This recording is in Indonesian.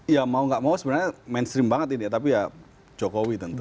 ya mau gak mau sebenarnya mainstream banget ini ya tapi ya jokowi tentu